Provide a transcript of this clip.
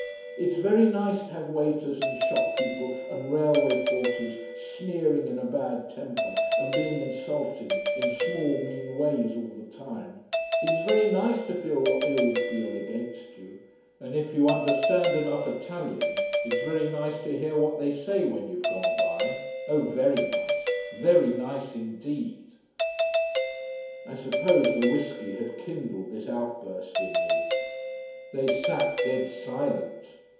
It's very nice to have waiters and shop people and railway porters sneering in a bad temper and being insulting in small, mean ways all the time. It's very nice to feel what they all feel against you. And if you understand enough Italian, it's very nice to hear what they say when you've gone by. Oh very nice. Very nice indeed!" I suppose the whisky had kindled this outburst in me. They sat dead silent.